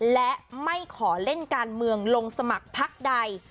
และไม่ขอเล่นการเมืองลงสมัครพักใด